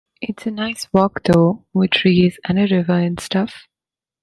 It's a nice walk though, with trees and a river and stuff.